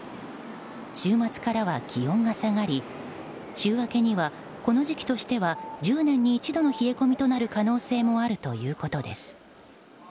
週末からは気温が下がり週明けにはこの時期としては１０年に一度の冷え込みとなる可能性もあるということです。